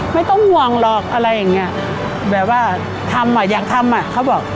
ไม่ต้องห่วงหรอกอะไรอย่างเงี้ยแบบว่าทำอ่ะอยากทำอ่ะเขาบอก